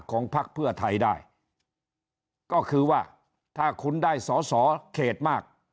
ของภักดิ์เพื่อไทยได้ก็คือว่าถ้าคุณได้สขเขศมาก